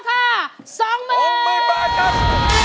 คุณแอมร้องได้